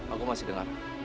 aku masih denger